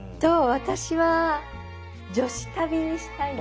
私は女子旅にしたいな。